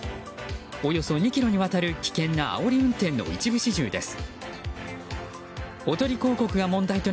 およそ２ｋｍにわたる危険なあおり運転の一部始終です。